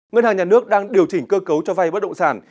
ngân hàng nhà nước đang điều chỉnh cơ cấu cho vay bất động sản